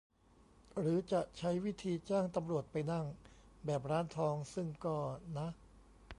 หรือจะใช้วิธีจ้างตำรวจไปนั่ง แบบร้านทอง ? ซึ่งก็ นะ